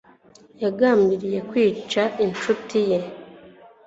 yagambiriye kwica inshuti ye,